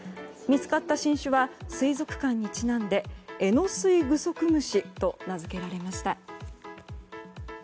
見つかった新種は水族館にちなんでエノスイグソクムシと名づけられました。